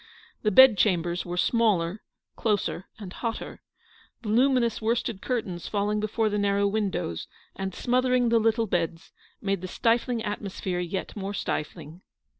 The bed chambers were smaller, closer, and hotter. Voluminous worsted curtains falling before the narrow windows, and smothering the little beds, made the stifling atmosphere yet more stifling.